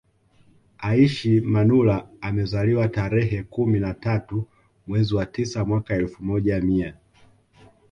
Aishi Manula amezaliwa tarehe kumi na tatu mwezi wa tisa mwaka elfu moja mia